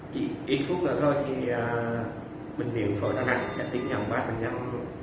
chỉ ít phút nữa thôi thì bệnh viện phổ đà nẵng sẽ tín nhầm ba bệnh nhân